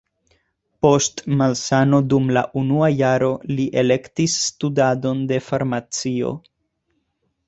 Post malsano dum la unua jaro li elektis studadon de farmacio.